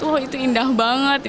wow itu indah banget